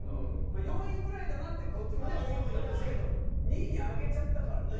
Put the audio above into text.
４位ぐらいだなってこっちもね思ったらしいけど２位に上げちゃったからね。